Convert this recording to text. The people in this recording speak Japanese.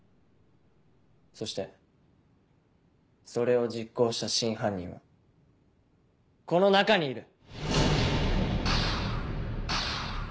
そしてそれを実行した真犯人はこの中にいる！